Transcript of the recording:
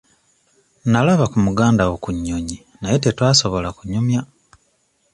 Nalaba ku mugandawo ku nnyonyi naye tetwasobola kunyumya.